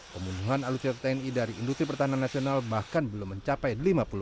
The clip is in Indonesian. pembunuhan alutsista tni dari industri pertahanan nasional bahkan belum mencapai